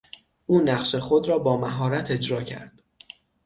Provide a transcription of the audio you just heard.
او نقش خود را با مهارت اجرا کرد.